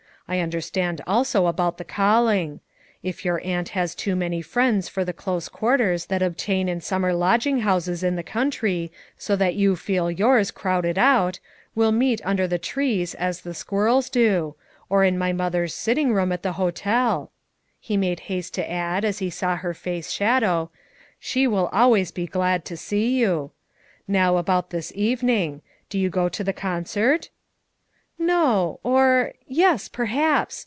I understand also about the ealling. If your aunt has too many friends for the close quar ters that obtain in summer lodging houses in the country, so that you feel yours crowded out, we'll meet under the trees, as the squirrels do; or in my mother's sitting room at the hotel," he made haste to add as he saw her face shadow — "she will always be glad to see you. Now, about this evening; do you go to the con cert?" "Xo; or — yes, perhaps.